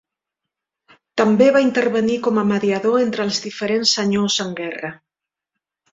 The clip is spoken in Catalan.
També va intervenir com a mediador entre els diferents senyors en guerra.